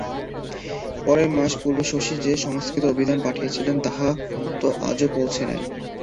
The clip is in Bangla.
কয়েক মাস পূর্বে শশী যে সংস্কৃত অভিধান পাঠাইয়াছিল, তাহা তো আজিও পৌঁছে নাই।